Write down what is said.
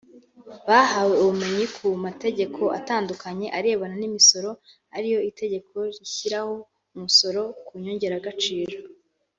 Bahawe ubumenyi ku mategeko atandukanye arebana n’imisoro ariyo itegeko rishyiraho umusoro ku nyongeragaciro